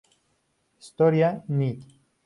Storia Nat.